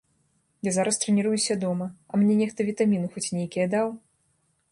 Я зараз трэніруюся дома, а мне нехта вітаміны хоць нейкія даў?